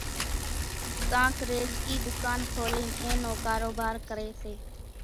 ڪانڪ ريزڪِي ۮُڪان کولينَ ين نون ڪاروڀار ڪريَ سي۔